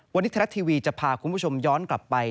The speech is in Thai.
วันนี้ทรัฐทีวีจะพาคุณผู้ชมย้อนกลับไป